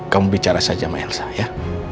kamu bicara saja sama elsa ya